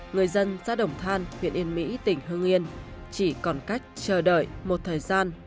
người dân ra đồng than huyện yên mỹ tỉnh hưng yên chỉ còn cách chờ đợi một thời gian